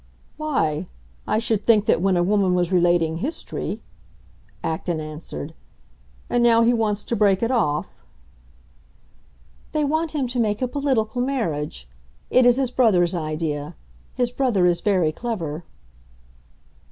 "Why, I should think that when a woman was relating history " Acton answered. "And now he wants to break it off?" "They want him to make a political marriage. It is his brother's idea. His brother is very clever."